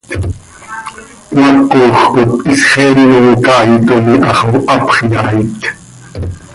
Cmaacoj cop isxeen oo caaitom iha xo hapx yaait.